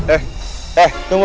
eh eh tunggu